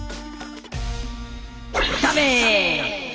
ダメ！